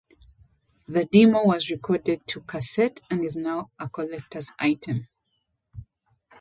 The demo was recorded to cassette and is now a collectors item.